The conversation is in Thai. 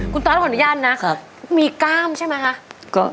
คุณตอสขออนุญาตนะมีกล้ามใช่ไหมคะ